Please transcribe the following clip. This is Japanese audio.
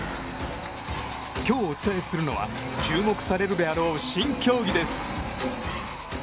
今日、お伝えするのは注目されるであろう新競技です。